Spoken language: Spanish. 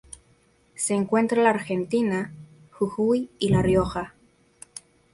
Se encuentra en la Argentina: Jujuy y La Rioja.